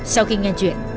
sau khi nghe chuyện